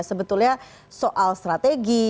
sebetulnya soal strategi